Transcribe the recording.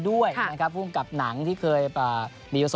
ขออนุญาตให้คนในชาติรักกันครับขออนุญาตให้คนในชาติรักกัน